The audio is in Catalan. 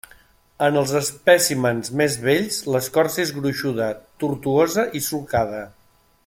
En els espècimens més vells l'escorça és gruixuda, tortuosa i solcada.